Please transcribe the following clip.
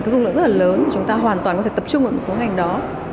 có dung lượng rất là lớn chúng ta hoàn toàn có thể tập trung vào một số ngành đó